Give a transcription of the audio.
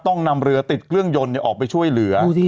ต้องนำเรือติดเครื่องยนต์ออกไปช่วยเหลือ